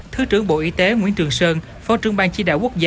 thứ trưởng bộ y tế nguyễn trường sơn phó trưởng ban chỉ đạo quốc gia